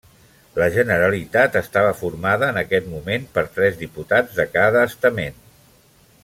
La Generalitat estava formada en aquest moment per tres diputats de cada estament.